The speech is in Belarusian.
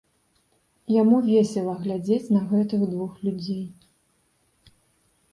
Яму весела глядзець на гэтых двух людзей.